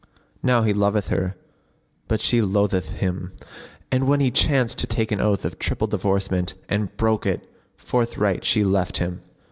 Now he loveth her, but she loatheth him; and when he chanced to take an oath of triple divorcement and broke it, forthright she left him.